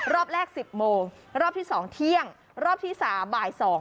รอบแรกสิบโมงรอบที่สองเที่ยงรอบที่สามบ่ายสอง